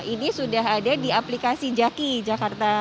ini sudah ada di aplikasi jaki jakarta